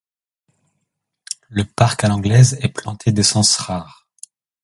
Le parc à l'anglaise est planté d'essences rares.